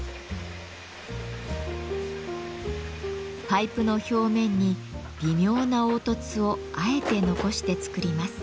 パイプの表面に微妙な凹凸をあえて残して作ります。